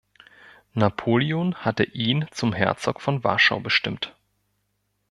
Napoleon hatte ihn zum Herzog von Warschau bestimmt.